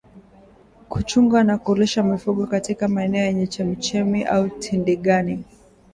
Kuchunga au kulisha mifugo katika maeneo yenye chemchemi au tindigani